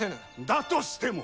だとしても！